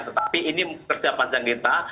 tetapi ini kerja panjang kita